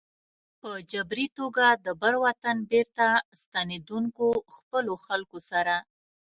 په جبري توګه د بر وطن بېرته ستنېدونکو خپلو خلکو سره.